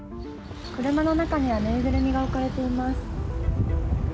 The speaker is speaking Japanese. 車の中にはぬいぐるみが置かれています。